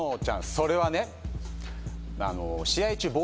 それはね